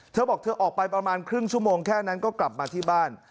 เธอบอกเธอออกไปประมาณครึ่งชั่วโมงแค่นั้นก็กลับมาที่บ้าน